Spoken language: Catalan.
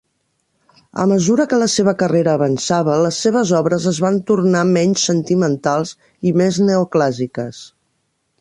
A mesura que la seva carrera avançava, les seves obres es van tornar menys sentimentals i més neoclàssiques.